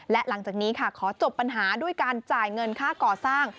และหลังจากนี้ค่ะขอจบปัญหาด้วยการจ่ายเงินค่าก่อสร้าง